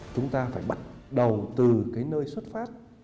chúng ta phải bắt đầu từ cái nơi xuất phát